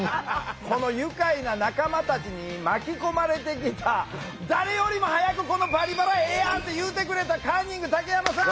この愉快な仲間たちに巻き込まれてきた誰よりも早くこの「バリバラ」ええやんって言うてくれたカンニング竹山さん！